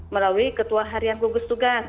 melalui ketua harian gugus tugas